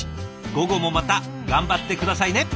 午後もまた頑張って下さいね！